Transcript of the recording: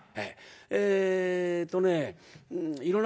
えっとねいろんな。